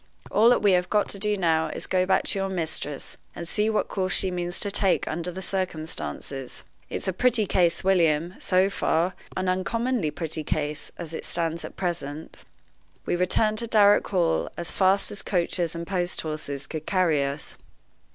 All that we have got to do now is to go back to your mistress, and see what course she means to take under the circumstances. It's a pretty case, William, so far an uncommonly pretty case, as it stands at present." We returned to Darrock Hall as fast as coaches and post horses could carry us.